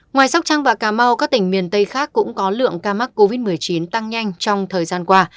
ngoài sóc trăng và cà mau các tỉnh miền tây khác cũng có lượng ca mắc covid một mươi chín tăng nhanh trong thời gian qua